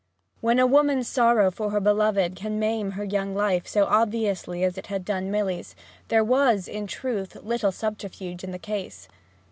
And when a woman's sorrow for her beloved can maim her young life so obviously as it had done Milly's there was, in truth, little subterfuge in the case.